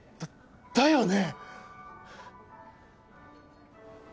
だだよね？